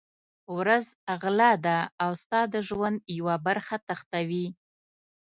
ورځ غله ده او ستا د ژوند یوه برخه تښتوي.